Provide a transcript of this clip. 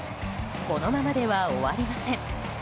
このままでは終わりません。